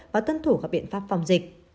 và tân thủ các biện pháp phòng dịch